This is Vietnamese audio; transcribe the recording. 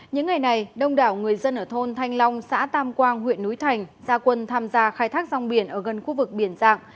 những ngày này đông đảo người dân ở thôn thanh long xã tam quang huyện núi thành ra quân tham gia khai thác rong biển ở gần khu vực biển dạng